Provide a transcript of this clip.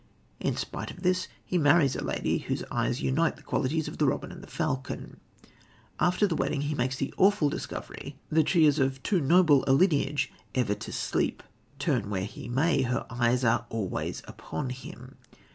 In spite of this he marries a lady, whose eyes unite the qualities of the robin and the falcon. After the wedding he makes the awful discovery that she is of too noble a lineage ever to sleep. Turn where he may, her eyes are always upon him.